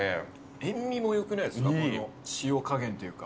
塩味もよくないですか、塩加減というか。